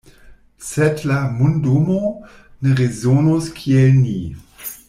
Sed la mondumo ne rezonos kiel ni.